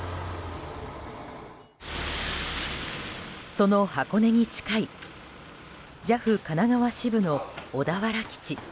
その箱根に近いＪＡＦ神奈川支部の小田原基地。